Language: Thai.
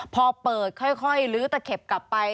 พอเปิดค่อยลื้อตะเข็บกลับไป